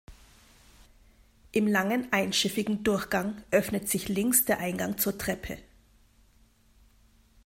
Im langen einschiffigen Durchgang öffnet sich links der Eingang zur Treppe.